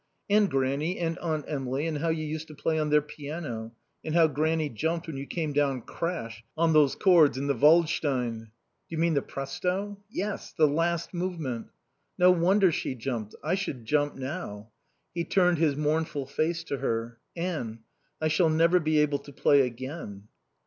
"And Grannie and Aunt Emily, and how you used to play on their piano. And how Grannie jumped when you came down crash on those chords in the Waldstein." "Do you mean the presto?" "Yes. The last movement." "No wonder she jumped. I should jump now." He turned his mournful face to her. "Anne I shall never be able to play again."